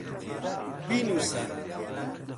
بینووسە.